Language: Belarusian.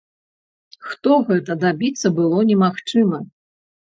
Хто гэта, дабіцца было немагчыма.